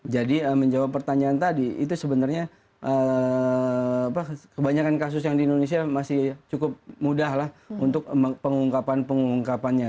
jadi menjawab pertanyaan tadi itu sebenarnya kebanyakan kasus yang di indonesia masih cukup mudah lah untuk pengungkapan pengungkapannya